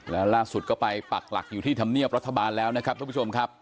แล้วล่าสุดก็ไปปักหลักอยู่ที่ธรรมเนียบรัฐบาลแล้วนะครับทุกผู้ชมครับ